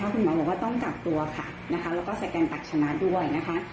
คุณหมอบอกว่าต้องกักตัวค่ะนะคะแล้วก็สแกนตักชนะด้วยนะคะ